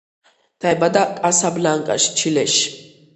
დაიბადა კასაბლანკაში, ჩილეში.